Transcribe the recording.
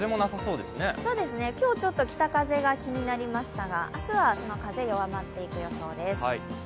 今日ちょっと、北風気になりましたが明日はその風、弱まっていく予報です。